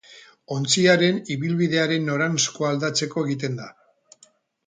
Ontziaren ibilbidearen noranzkoa aldatzeko egiten da.